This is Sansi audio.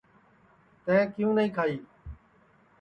تیں کیوں نائی کھائی